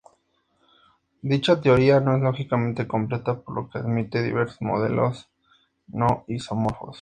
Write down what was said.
Dicha teoría no es lógicamente completa por lo que admite diversos modelos no isomorfos.